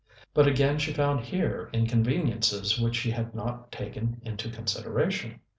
But again she found here inconveniences which she had not taken into consideration.